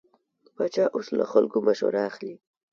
پاچا اوس له خلکو مشوره اخلي.